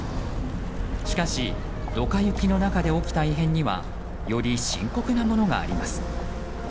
しかし、ドカ雪の中で起きた異変にはより深刻なものがあります。